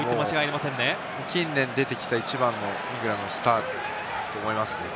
近年出てきた一番のイングランドのスターだと思いますね。